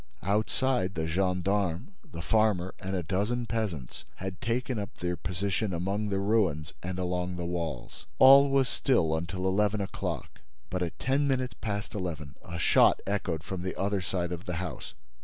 Outside, the gendarmes, the farmer and a dozen peasants had taken up their position among the ruins and along the walls. All was still until eleven o'clock; but, at ten minutes past eleven, a shot echoed from the other side of the house.